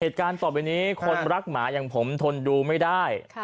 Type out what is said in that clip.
เหตุการณ์ต่อไปนี้คนรักหมาอย่างผมทนดูไม่ได้